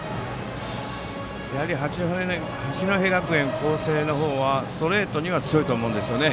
やはり八戸学院光星の方はストレートには強いと思います。